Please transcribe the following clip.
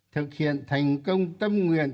thực hiện thành công tâm nguyện